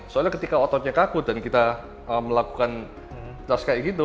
soalnya ketika ototnya takut dan kita melakukan tas kayak gitu